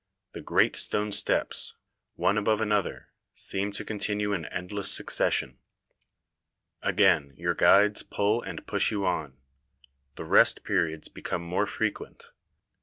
The great stone steps, one above another, seem to continue in endless succession. Again your guides pull and push you on. The rest periods become more frequent.